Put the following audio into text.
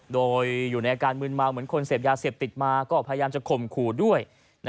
โดยอยู่ในอาการมืนเมาเหมือนคนเสพยาเสพติดมาก็พยายามจะข่มขู่ด้วย